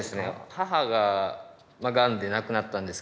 母ががんで亡くなったんですけど。